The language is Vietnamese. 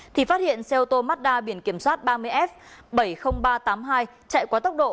thì phát hiện xe ô tô mazda biển kiểm soát ba mươi f bảy mươi nghìn ba trăm tám mươi hai chạy quá tốc độ